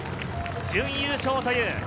準優勝という。